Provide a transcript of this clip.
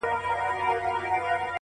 د څڼور سندرې چي په زړه کي اوسي _